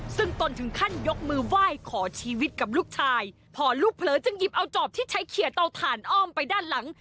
ซึ่งตนถึงขั้นยกมือไหว้ขอชีวิตกับลูกชายพอลูกเผลอจึงหยิบเอาจอบที่ใช้เขียเตาถ่านอ้อมไปด้านหลัง